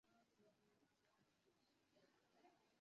托里阿克德卡马雷人口变化图示